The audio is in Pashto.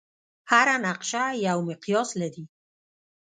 هره نقشه یو مقیاس لري.